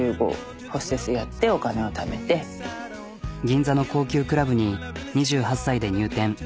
銀座の高級クラブに２８歳で入店。